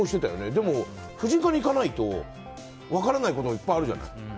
でも婦人科に行かないと分からないこともいっぱいあるじゃない。